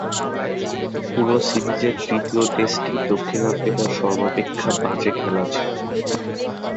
পুরো সিরিজের তৃতীয় টেস্টটি দক্ষিণ আফ্রিকার সর্বাপেক্ষা বাজে খেলা ছিল।